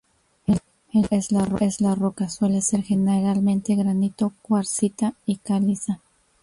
El suelo es la roca, suele ser generalmente granito, cuarcita y caliza.